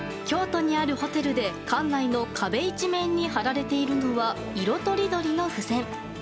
京都にあるホテルで館内の壁一面に貼られているのは色とりどりの付箋。